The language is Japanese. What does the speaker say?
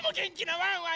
ワンワン！